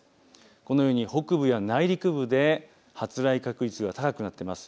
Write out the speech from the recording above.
このように北部や内陸部で発雷確率が高くなっています。